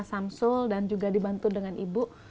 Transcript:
bisa dipercaya oleh bapak samsul dan juga dibantu dengan ibu